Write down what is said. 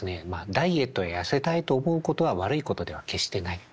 ダイエットや痩せたいと思うことは悪いことでは決してない。